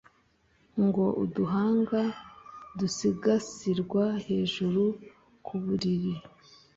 ngo uduhanga dugisasirwa hejuru kubulili